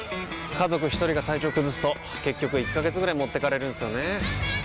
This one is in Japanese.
家族一人が体調崩すと結局１ヶ月ぐらい持ってかれるんすよねー。